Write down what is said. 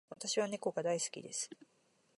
私は猫が大好きです。